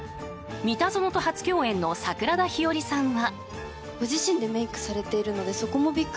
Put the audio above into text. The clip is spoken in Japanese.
三田園と初共演の桜田ひよりさんは。